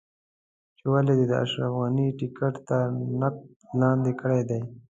چې ولې دې د اشرف غني ټکټ تر نقد لاندې کړی دی.